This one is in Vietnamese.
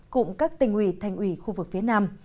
cùng các tỉnh ủy thành ủy khu vực phía nam